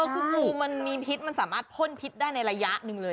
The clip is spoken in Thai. คืองูมันมีพิษมันสามารถพ่นพิษได้ในระยะหนึ่งเลย